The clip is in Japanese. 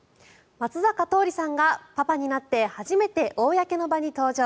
松坂桃李さんがパパになって初めて公の場に登場。